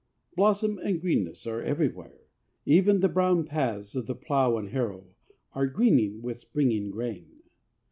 Blossom and greenness are everywhere; even the brown paths of the plough and harrow are greening with springing grain.